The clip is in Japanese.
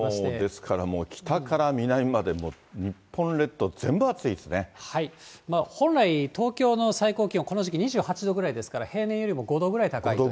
ですからもう、北から南まで、もう日本列島、本来、東京の最高気温、この時期２８度ぐらいですから、平年よりも５度ぐらい高い。